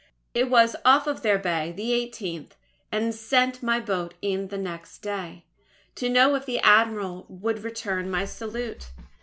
"I was off their bay, the 18th, and sent my boat in the next day, to know if the Admiral would return my salute.